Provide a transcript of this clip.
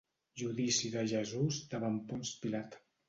Judici de Jesús davant Ponç Pilat.